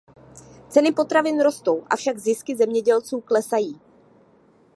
Ceny potravin rostou, avšak zisky zemědělců klesají.